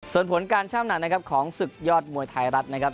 ส่วนผลการช้ามหนักของศึกยอดมวยไทยรัฐนะครับ